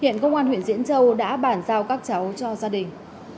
hiện công an huyện diễn châu đã bản giao các cháu cho gia đình